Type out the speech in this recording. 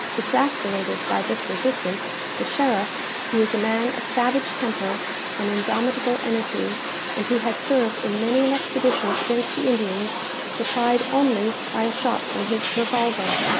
Exasperated by this resistance, the sheriff, who was a man of savage temper and indomitable energy, and who had served in many an expedition against the Indians, replied only by a shot from his revolver.